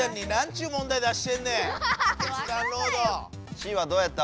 Ｃはどうやった？